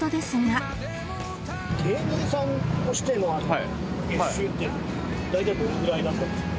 芸人さんとしての月収って大体どれぐらいだったんですか？